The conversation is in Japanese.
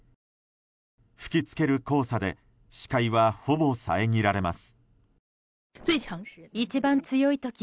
吹きつける黄砂で視界はほぼ遮られます。